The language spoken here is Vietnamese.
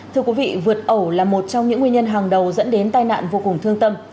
thưa quý vị vượt ẩu là một trong những nguyên nhân hàng đầu dẫn đến tai nạn vô cùng thương tâm